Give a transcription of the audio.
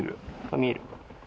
見える。